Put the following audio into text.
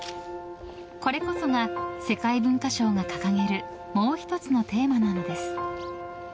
これこそが世界文化賞が掲げるもう１つのテーマなのです。